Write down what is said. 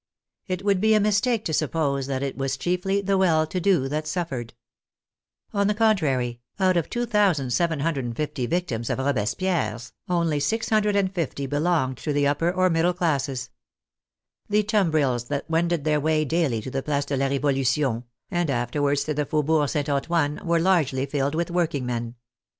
It would be a mistake to sup pose that it was chiefly the well to do that suffered. On the contrary, out of 2,750 victims of Robespierre's, only 650 belonged to the upper or middle classes. The tum brils that wended their way daily to the Place de la Revo lution and afterwards to the Faubourg St. Antoine, were largely filled with workingmen.